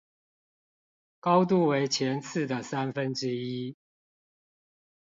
高度為前次的三分之一